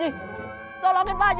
tapi estimate tak ada mudah mas jara